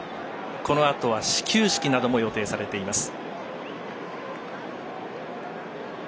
このあとは始球式なども予定されています。